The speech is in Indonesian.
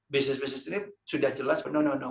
bisnis bisnis ini sudah jelas tapi tidak tidak tidak